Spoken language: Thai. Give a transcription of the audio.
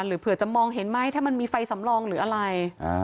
เผื่อจะมองเห็นไหมถ้ามันมีไฟสำรองหรืออะไร